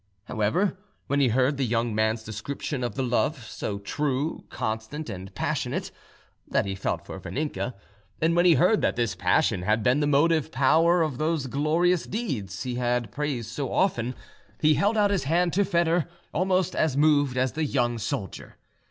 However, when he heard the young man's description of the love, so true, constant, and passionate, that he felt for Vaninka, and when he heard that this passion had been the motive power of those glorious deeds he had praised so often, he held out his hand to Foedor, almost as moved as the young soldier.